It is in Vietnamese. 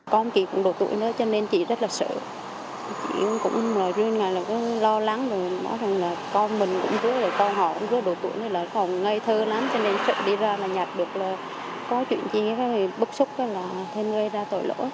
con kia cũng độ tuổi đó cho nên chị rất là sợ chị cũng luôn là lo lắng con mình cũng rất là coi họ cũng rất độ tuổi còn ngây thơ lắm cho nên chị đi ra nhặt được là có chuyện gì thì bức xúc là thêm gây ra tội lỗi